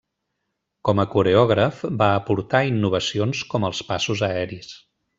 Com a coreògraf, va aportar innovacions com els passos aeris.